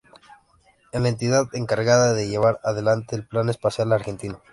Es la entidad encargada de llevar adelante el Plan Espacial Argentino.